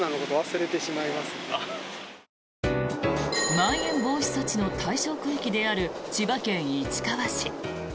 まん延防止措置の対象区域である千葉県市川市。